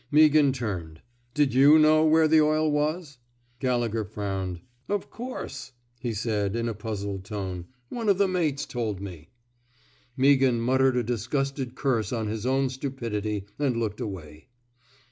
Meaghan turned. Did you know where the oil was I '' Gallegher frowned. Of course,'' he said, in a puzzled tone. One of the mates told me.'' Meaghan muttered a disgusted curse on his own stupidity, and looked away.